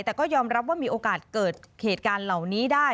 แต่ก็ยอมรับว่ามีโอกาสเกิดเหตุการณ์เหล่านี้ได้